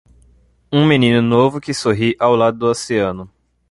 Um menino novo que sorri ao lado do oceano.